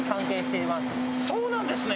そうなんですね。